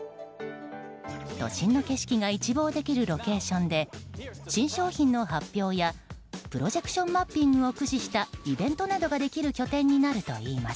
都心の景色が一望できるロケーションで新商品の発表やプロジェクションマッピングを駆使したイベントなどができる拠点になるといいます。